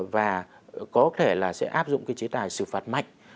và có thể là sẽ áp dụng cái chế tài xử phạt mạnh